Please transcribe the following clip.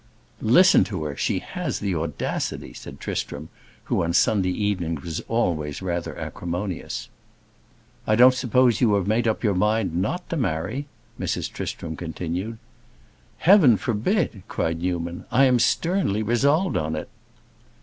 "Listen to her; she has the audacity!" said Tristram, who on Sunday evenings was always rather acrimonious. "I don't suppose you have made up your mind not to marry?" Mrs. Tristram continued. "Heaven forbid!" cried Newman. "I am sternly resolved on it."